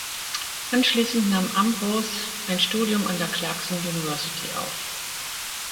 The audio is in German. Anschließend nahm Ambrose ein Studium an der Clarkson University auf.